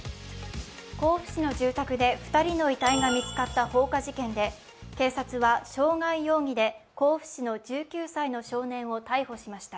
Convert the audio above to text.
甲府市の住宅で２人の遺体が見つかった放火事件で警察は傷害容疑で甲府市の１９歳の少年を逮捕しました。